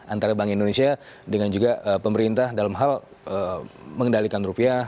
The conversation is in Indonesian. antara bank indonesia dengan juga pemerintah dalam hal mengendalikan rupiah